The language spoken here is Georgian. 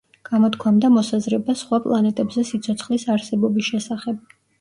გამოთქვამდა მოსაზრებას სხვა პლანეტებზე სიცოცხლის არსებობის შესახებ.